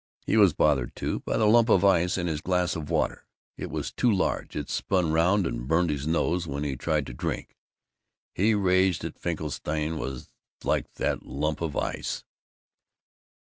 He was bothered, too, by the lump of ice in his glass of water. It was too large; it spun round and burned his nose when he tried to drink. He raged that Finkelstein was like that lump of ice.